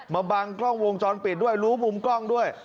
มาบังกล้องวงจรปิดด้วยรู้มุมกล้องด้วย